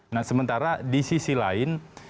nah sementara di sisi lain